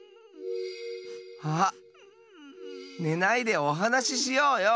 あっねないでおはなししようよ。